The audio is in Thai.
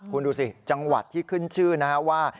คุณดูสิจังหวัดที่ขึ้นชื่อนะฮะว่า